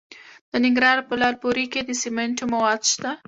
د ننګرهار په لعل پورې کې د سمنټو مواد شته.